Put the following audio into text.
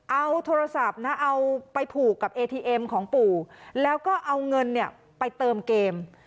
เอาโทรศัพท์นะเอาไปผูกกับเอทีเอ็มของปู่แล้วก็เอาเงินเนี่ยไปเติมเกม